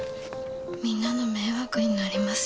みんなの迷惑になりますよね。